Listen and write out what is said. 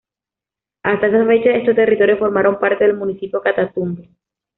Hasta esa fecha estos territorios formaron parte del municipio Catatumbo.